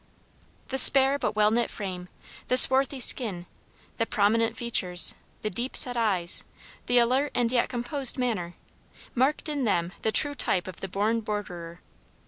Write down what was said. The spare but well knit frame, the swarthy skin, the prominent features, the deep set eyes, the alert and yet composed manner; marked in them the true type of the born borderer.